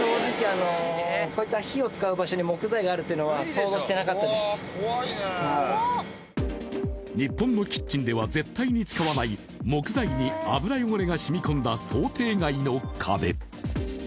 そして、真っ黒な換気扇は日本のキッチンでは絶対に使わない木材に油汚れが染み込んだ想定外の壁。